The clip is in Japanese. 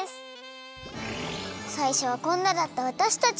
さいしょはこんなだったわたしたち。